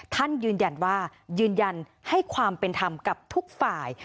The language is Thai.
ท่านยืนยันว่ายืนยันให้ความเป็นธรรมกับทุกฝ่าย